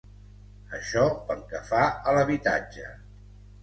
Això pel que fa a l’habitatge.